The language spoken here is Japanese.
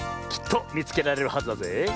きっとみつけられるはずだぜえ。